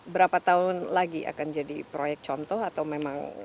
berapa tahun lagi akan jadi proyek contoh atau memang